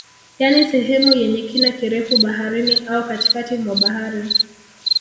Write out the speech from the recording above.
Yani sehemu yenye kina kirefu baharini au katikati mwa bahari